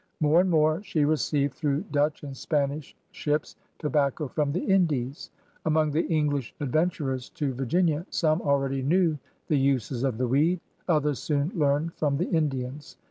More and more she received through Dutch and Spanish ships tobacco from the Indies. Among the English adventurers to Virginia some already knew the uses of the weed; others soon learned from the Indians.